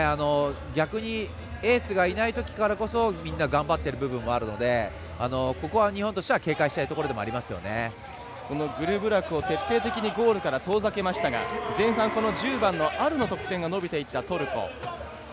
逆にエースがいないときだからこそみんな頑張っている部分があるのでここは日本としてはこのグルブラクを徹底的にゴールから遠ざけましたが前半、１０番のアルの得点が伸びていったトルコ。